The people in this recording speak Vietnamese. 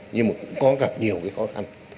nhưng mà cũng có gặp nhiều cái khó khăn